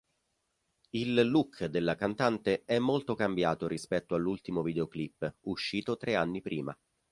Il look della cantante è molto cambiato rispetto all'ultimo videoclip, uscito tre anni prima.